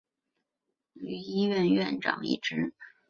方心让后来又曾长年担任圣保禄医院院长一职。